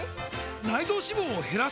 内臓脂肪を減らす！？